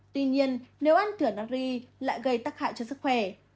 tuy nhiên nếu ăn thửa nắc ri lại gây tắc hại cho sức khỏe